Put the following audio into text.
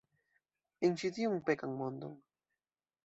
En ĉi tiun pekan mondon.